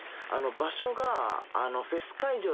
場所が。